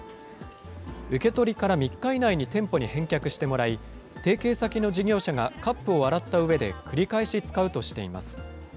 受け取りから３日以内に店舗に返却してもらい、提携先の事業者がカップを洗ったうえで、繰り返し使うとしています。